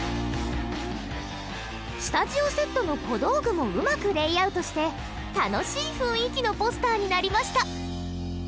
スタジオセットの小道具もうまくレイアウトして楽しい雰囲気のポスターになりました。